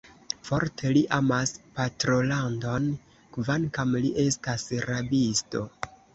Forte li amas patrolandon, kvankam li estas rabisto.